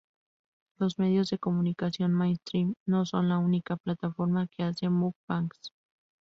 Los medios de comunicación "mainstream" no son la única plataforma que hace muk-bangs.